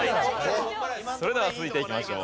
それでは続いていきましょう。